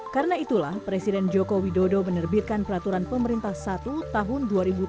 karena itulah presiden joko widodo menerbitkan peraturan pemerintah i tahun dua ribu tujuh belas